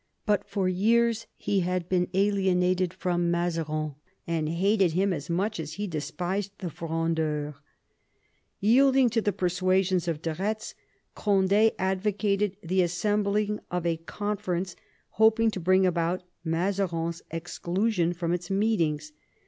But for years he had been alienated from Mazarin, and hated him as much as he despised the Frondeurs. Yielding to the persuasions of de Retz, Cond^ advocated the assembKng of a conference, hoping to bring about Mazarin's exclusion from its meetings.